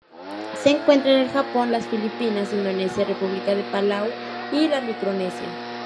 Se encuentra en el Japón, las Filipinas, Indonesia, República de Palau y la Micronesia.